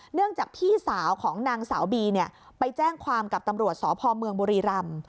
เนื่องจากพี่สาวของนางสาวบีไปแจ้งความกับตำรวจสพเมืองบุรีรำ